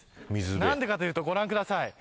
何でかというと、ご覧ください。